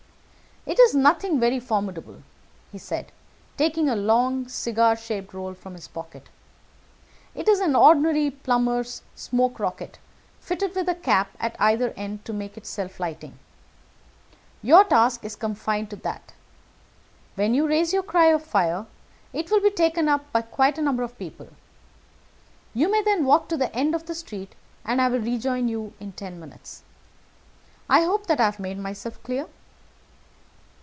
"It is nothing very formidable," he said, taking a long, cigar shaped roll from his pocket. "It is an ordinary plumber's smoke rocket, fitted with a cap at either end, to make it self lighting. Your task is confined to that. When you raise your cry of fire, it will be taken up by quite a number of people. You may then walk to the end of the street, and I will rejoin you in ten minutes. I hope that I have made myself clear?"